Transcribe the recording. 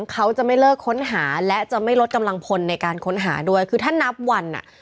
เขาจะไม่เลิกค้นหาและจะไม่ลดกำลังพลในการค้นหาด้วยคือถ้านับวันอ่ะ